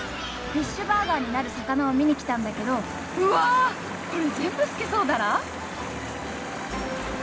フィッシュバーガーになる魚を見に来たんだけど。うわ！これ全部スケソウダラ！？